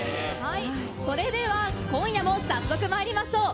それでは今夜も早速まいりましょう。